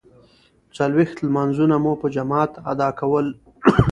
څلویښت لمانځونه مو په جماعت ادا کول.